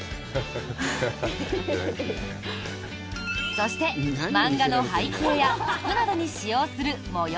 そして漫画の背景や服などに使用する模様